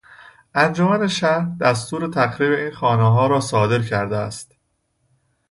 انجمن شهر دستور تخریب این خانهها را صادر کرده است.